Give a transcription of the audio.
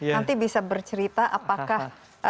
nanti bisa bercerita apakah